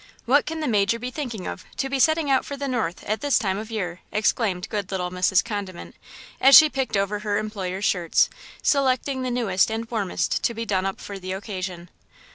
"What can the major be thinking of, to be setting out for the north at this time of year?" exclaimed good little Mrs. Condiment, as she picked over her employer's shirts, selecting the newest and warmest to be done up for the occasion.